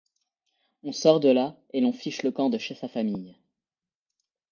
On sort de là, et l’on fiche le camp de chez sa famille.